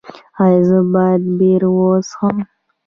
ایا زه باید بیر وڅښم؟